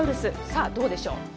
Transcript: さあ、どうでしょう。